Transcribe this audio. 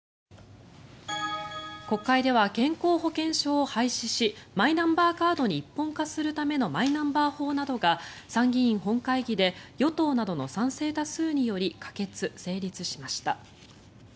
国会では健康保険証を廃止しマイナンバーカードに一本化するためのマイナンバー法などが参議院本会議で与党などの賛成多数により可決・成立しました。